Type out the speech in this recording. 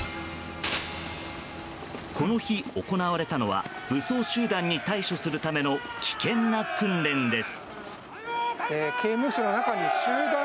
この日行われたのは武装集団に対処するための危険な訓練です。